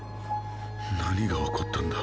何が起こったんだ。